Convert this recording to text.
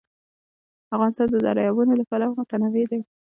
افغانستان د دریابونه له پلوه متنوع دی.